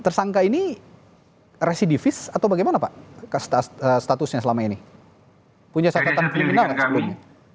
tersangka ini residivis atau bagaimana pak statusnya selama ini punya catatan kriminal nggak sebelumnya